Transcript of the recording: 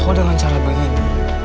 kau dengan cara begini